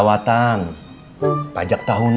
harus kalau masuk